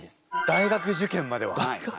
大学受験まで？